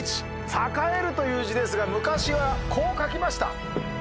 栄えるという字ですが昔はこう書きました。